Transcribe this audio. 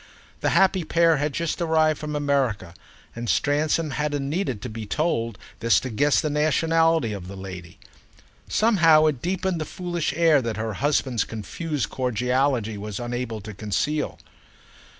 The happy pair had just arrived from America, and Stransom hadn't needed to be told this to guess the nationality of the lady. Somehow it deepened the foolish air that her husband's confused cordiality was unable to conceal.